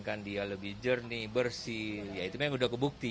kan dia lebih jernih bersih ya itu memang sudah kebukti